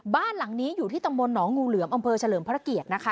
บ้านหลังนี้อยู่ที่ตำบลหนองงูเหลือมอำเภอเฉลิมพระเกียรตินะคะ